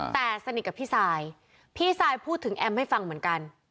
แต่สนิทกับพี่ซายพี่ซายพูดถึงแอมให้ฟังเหมือนกัน